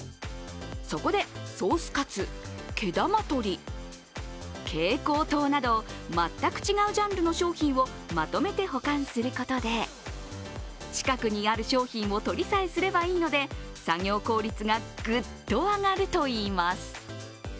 そこで、ソースカツ、毛玉取り、蛍光灯など全く違うジャンルの商品をまとめて保管することで近くにある商品をとりさえすればいいので作業効率がぐっと上がるといいます。